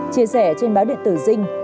chia sẻ trên báo điện tử dinh